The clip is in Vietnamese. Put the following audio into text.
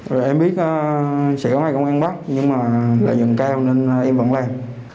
rồi em biết sẽ có cơ quan công an bắt nhưng mà lợi nhuận cao nên em vẫn làm